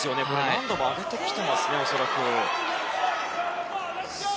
難度も上げてきていますね恐らく。